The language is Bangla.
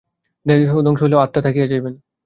দেহ ধ্বংস হইলেও আত্মা থাকিয়া যাইবেন।